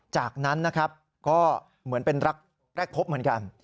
จากนั้นนะครับก็เหมือนเป็นรักแรกพบเหมือนกัน